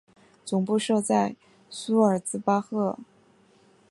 总部设在苏尔茨巴赫。